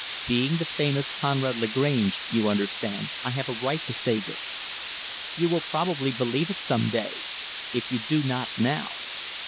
Being the famous Conrad Lagrange, you understand, I have the right to say this. You will probably believe it, some day if you do not now.